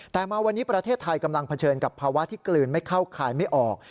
แต่มาวันนี้ประเทศไทยกำลังเผชิญกับภาวะที่กลืนไม่เข้าคายไม่ออก